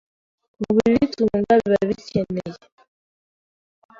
mu bibitunga biba bikeneye